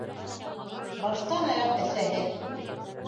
Баштан-аяҡ әсәһе!